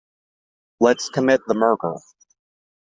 Let's commit the murder.